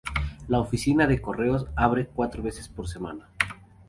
La oficina de correos abre cuatro veces por semana.